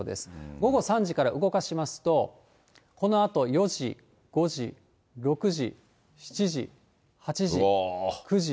午後３時から動かしますと、このあと４時、５時、６時、７時、８時、９時。